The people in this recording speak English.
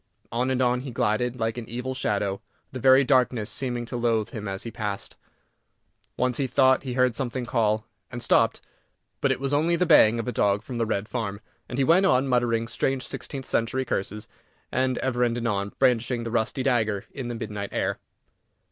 On and on he glided, like an evil shadow, the very darkness seeming to loathe him as he passed. Once he thought he heard something call, and stopped; but it was only the baying of a dog from the Red Farm, and he went on, muttering strange sixteenth century curses, and ever and anon brandishing the rusty dagger in the midnight air.